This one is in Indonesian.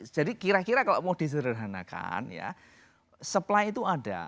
jadi kira kira kalau mau disederhanakan supply itu ada